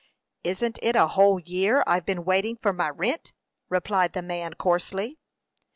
"Isn't it a whole year I've been waiting for my rint?" replied the man, coarsely.